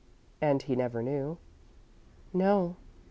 "And he never knew?" "No."